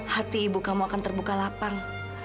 hati ibu kamu akan terbuka lapang